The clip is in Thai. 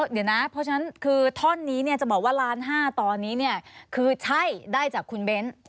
เดี๋ยวนะเพราะฉะนั้นคือท่อนนี้จะบอกว่าล้านห้าตอนนี้เนี่ยคือใช่ได้จากคุณเบ้น